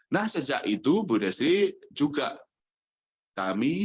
nah sejak itu bu desri juga kami